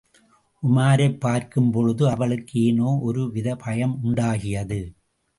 உமாரைப் பார்க்கும்பொழுது அவளுக்கு ஏனோ ஒரு வித பயம் உண்டாகியது.